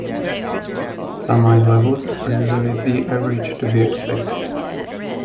Sunlight levels are usually the average to be expected.